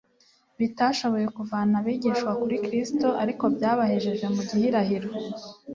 bitashoboye kuvana abigishwa kuri Kristo ariko byabahejeje mu gihirahiro.